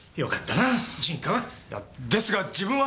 いやですが自分は！